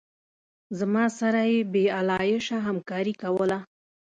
زما سره یې بې آلایشه همکاري کوله.